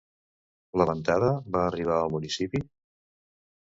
La ventada va arribar al municipi?